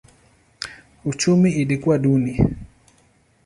Uchumi ilikuwa duni.